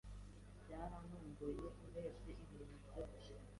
“Byarantunguye, urebye ibintu byose